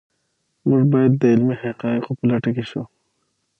موږ باید د علمي حقایقو په لټه کې شو.